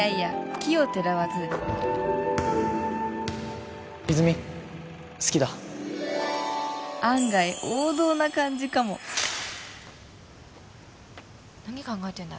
奇をてらわず泉好きだ案外王道な感じかも何考えてんだ